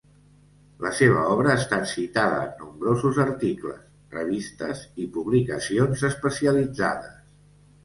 La seva obra ha estat citada en nombrosos articles, revistes i publicacions especialitzades.